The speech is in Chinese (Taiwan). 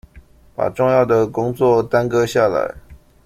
把重要的工作耽擱下來